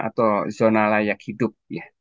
atau zona layak hidup